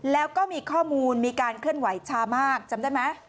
แล้วก็มีข้อมูลมีการเคลื่อนไหวช้ามากจำได้ไหม